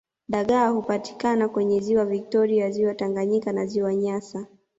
Dagaa hupatikana kwenye ziwa victoria ziwa Tanganyika na ziwa nyasa